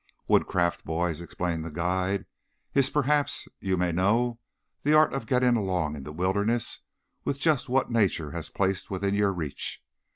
"Woodcraft, boys," explained the guide, "is, as perhaps you may know, the art of getting along in the wilderness with just what Nature has placed within your reach.